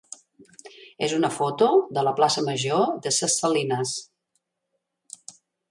és una foto de la plaça major de Ses Salines.